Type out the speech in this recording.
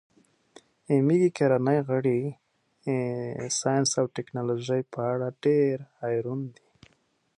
All members of my family are crazy about Sciences and Technologies.